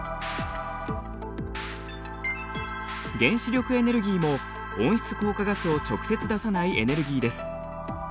原子力エネルギーも温室効果ガスを直接出さないエネルギーです。